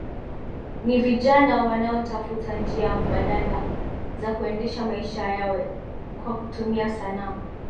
Ni vijana wanaotafuta njia mbadala za kuendesha maisha yao kwa kutumia sanaa